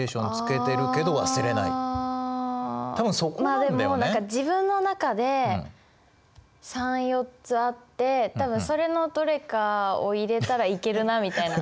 まあでも何か自分の中で３４つあって多分それのどれかを入れたらいけるなみたいな。